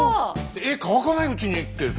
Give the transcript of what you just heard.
絵乾かないうちにってさ